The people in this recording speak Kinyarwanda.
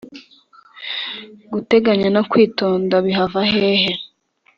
Guteganya no kwitonda bihava hehe?